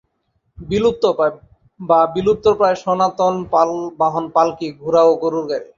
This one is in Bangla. বিলুপ্ত বা বিলুপ্তপ্রায় সনাতন বাহন পাল্কি, ঘোড়া ও গরুর গাড়ি।